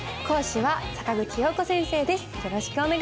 講師は坂口陽子先生です。